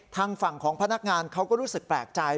ทางฝั่งของพนักงานเขาก็รู้สึกแปลกใจ